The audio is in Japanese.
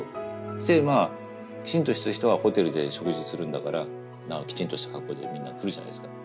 そしてまあきちんとした人はホテルで食事するんだからきちんとした格好でみんな来るじゃないですか。